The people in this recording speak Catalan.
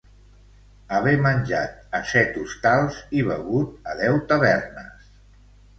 Haver menjat a set hostals i begut a deu tavernes.